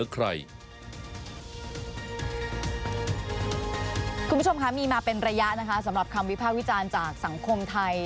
คุณผู้ชมคะมีมาเป็นระยะนะคะสำหรับคำวิพากษ์วิจารณ์จากสังคมไทย